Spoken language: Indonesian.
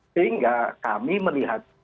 sehingga kami melihat